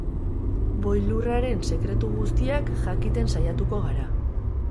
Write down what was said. Boilurraren sekretu guztiak jakiten saiatuko gara.